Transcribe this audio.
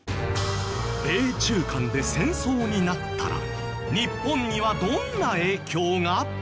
米中間で戦争になったら日本にはどんな影響が？